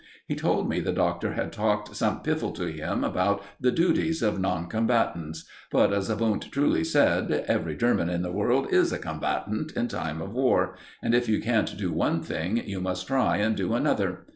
He told me the Doctor had talked some piffle to him about the duties of non combatants; but, as Wundt truly said, every German in the world is a combatant in time of war, and if you can't do one thing, you must try and do another.